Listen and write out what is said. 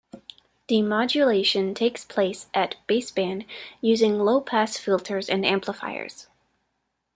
Demodulation takes place at baseband using low-pass filters and amplifiers.